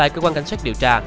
tại cơ quan cảnh sát điều tra